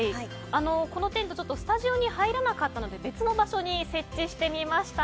このテントスタジオに入らなかったので別の場所に設置してみました。